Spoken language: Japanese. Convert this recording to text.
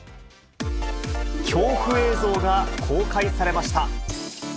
恐怖映像が公開されました。